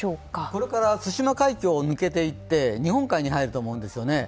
これから対馬海峡を抜けていって日本海に入ると思うんですよね。